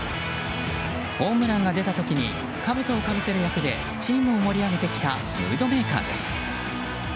ホームランが出た時にかぶとをかぶせる役でチームを盛り上げてきたムードメーカーです。